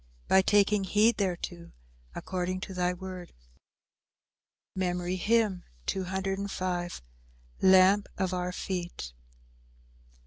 By taking heed thereto according to thy word." MEMORY HYMN _"Lamp of our feet."